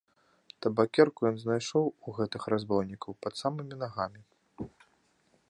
Табакерку ён знайшоў у гэтых разбойнікаў пад самымі нагамі.